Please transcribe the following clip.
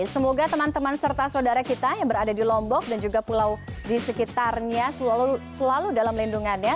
semoga teman teman serta saudara kita yang berada di lombok dan juga pulau di sekitarnya selalu dalam lindungannya